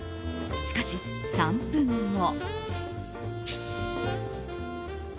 しかし３分後。